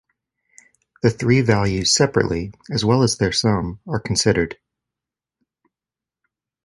The three values separately as well as their sum are considered.